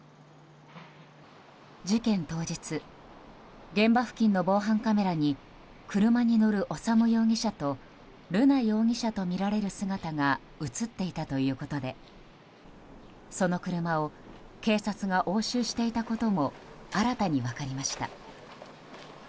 事件当日現場付近の防犯カメラに車に乗る修容疑者と瑠奈容疑者とみられる姿が映っていたということでその車を警察が押収していたことも新たに分かりました。